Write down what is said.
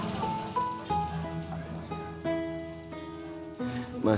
eh sih gak akan beli belah